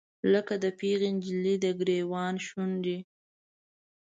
لکه د پیغلې نجلۍ، دګریوان شونډې